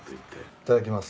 いただきます。